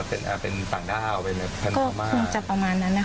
ก็คงจะประมาณนั้นนะ